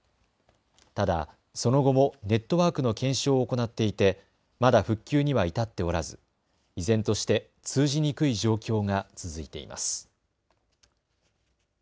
ただ、その後もネットワークの検証を行っていてまだ復旧には至っておらず依然として通じにくい状況が続いています。